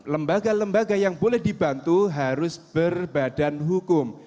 lembaga lembaga yang boleh dibantu harus berbadan hukum